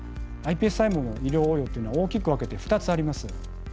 ｉＰＳ細胞の医療応用というのは大きく分けて２つあります。